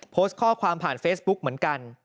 โพสต์ข้อความผ่านเฟซบุ๊กเหมือนกัน